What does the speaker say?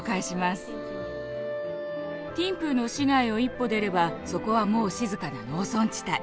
ティンプーの市街を一歩出ればそこはもう静かな農村地帯。